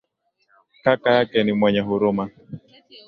Kaka yake ni mwenye huruma.